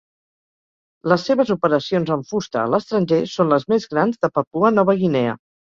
Les seves operacions amb fusta a l'estranger són les més grans de Papua Nova Guinea.